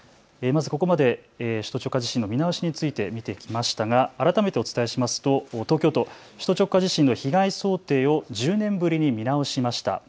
まずここまで首都直下地震の見直しについて見てきましたが改めてお伝えしますと東京都、首都直下地震の被害想定を１０年ぶりに見直しました。